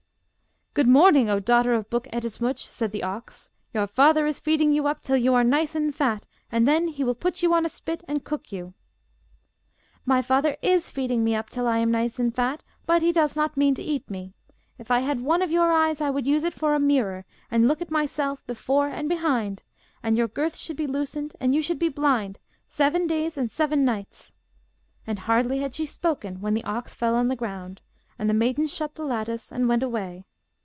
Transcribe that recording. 'Good morning, O daughter of Buk Ettemsuch!' said the ox. 'Your father is feeding you up till you are nice and fat, and then he will put you on a spit and cook you.' 'My father is feeding me up till I am nice and fat, but he does not mean to eat me. If I had one of your eyes I would use it for a mirror, and look at myself before and behind; and your girths should be loosened, and you should be blind seven days and seven nights.' And hardly had she spoken when the ox fell on the ground, and the maiden shut the lattice and went away.